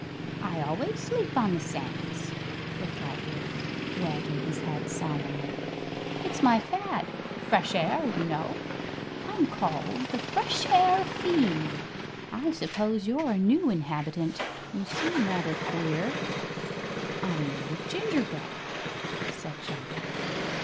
"I always sleep on the sands," replied the other, wagging his head solemnly. "It's my fad. Fresh air, you know. I'm called the 'Fresh Air Fiend.' I suppose you're a new inhabitant. You seem rather queer." "I'm made of gingerbread," said John.